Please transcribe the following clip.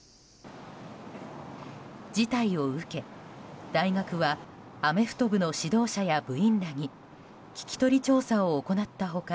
事態を受け、大学はアメフト部の指導者や部員らに聞き取り調査を行った他